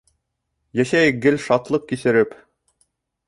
Йәшәйек гел шатлыҡ кисереп.